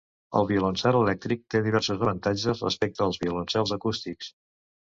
El violoncel elèctric té diversos avantatges respecte als violoncels acústics.